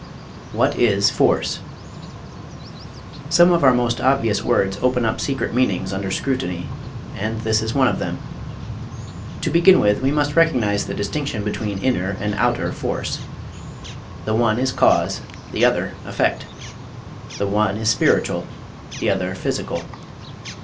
What is Force? Some of our most obvious words open up secret meanings under scrutiny, and this is one of them. To begin with, we must recognize the distinction between inner and outer force. The one is cause, the other effect. The one is spiritual, the other physical.